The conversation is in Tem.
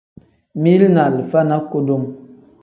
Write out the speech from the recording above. Mili ni alifa ni kudum.